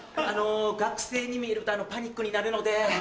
学生に見えるとパニックになるので。